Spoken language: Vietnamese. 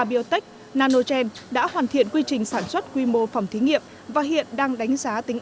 biotech nanogen đã hoàn thiện quy trình sản xuất quy mô phòng thí nghiệm và hiện đang đánh giá tính